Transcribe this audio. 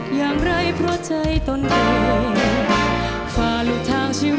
ทิ้งไทยเรารู้เรารังยิ่ง